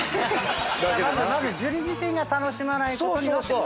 まず樹自身が楽しまないことにはってこと。